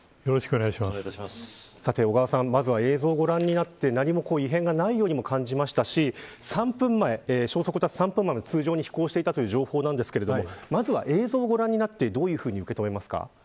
さて、小川さんまずは映像をご覧になって何も異変がないようにも感じましたし消息を絶つ３分前も通常に飛行してたという情報なんですがまずは映像をご覧になってどういうふうに受け止めますか。